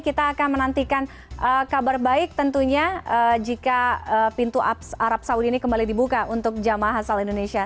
kita akan menantikan kabar baik tentunya jika pintu arab saudi ini kembali dibuka untuk jamaah asal indonesia